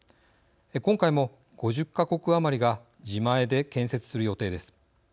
今回も５０か国余りが自前で建設する予定です。